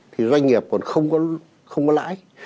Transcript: thì doanh nghiệp còn không có lãi